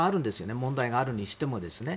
問題があるにしてもですね。